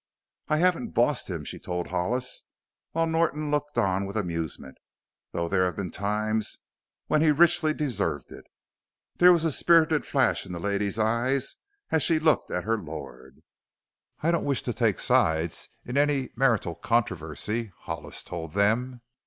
"I haven't 'bossed' him," she told Hollis, while Norton looked on with amusement, "though there have been times when he richly deserved it." There was a spirited flash in the lady's eyes as she looked at her lord. "I don't wish to take sides in any marital controversy," Hollis told them.